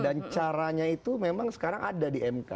dan caranya itu memang sekarang ada di mk